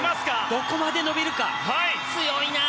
どこまで伸びるか、強いな。